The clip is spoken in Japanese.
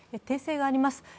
訂正があります。